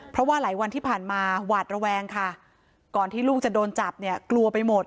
เพราะว่าหลายวันที่ผ่านมาหวาดระแวงค่ะก่อนที่ลูกจะโดนจับเนี่ยกลัวไปหมด